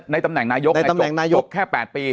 ตำแหน่งนายกในตำแหน่งนายกแค่๘ปี